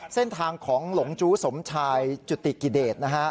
เส้นทางของหลงจู้สมชายจุติกิเดชนะฮะ